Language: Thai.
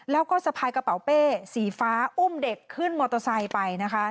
แล้วก็สะพายกระเป๋าเป้สีฟ้าอุ้มเด็กขึ้นมอเตอร์ไซค์ไปนะคะ